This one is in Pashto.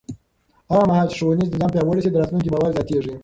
هغه مهال چې ښوونیز نظام پیاوړی شي، د راتلونکي باور زیاتېږي.